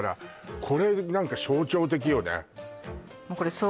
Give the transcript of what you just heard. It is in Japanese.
これなんか象徴的よね